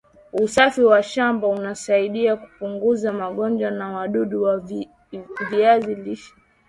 usafi wa shamba unasaidia kupunguza magonjwa na wadudu wa viazi lishe